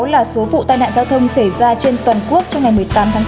hai mươi sáu là số vụ tai nạn giao thông xảy ra trên toàn quốc trong ngày một mươi tám tháng tám